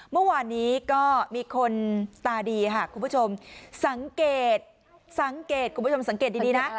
เมื่อวานนี้ก็มีคนตาดีค่ะคุณผู้ชมสังเกตสังเกตคุณผู้ชมสังเกตดีนะ